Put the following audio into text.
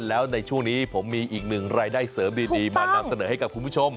แล้วในช่วงนี้ผมมีอีกหนึ่งรายได้เสริมดีมานำเสนอให้กับคุณผู้ชม